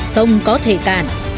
sông có thể tàn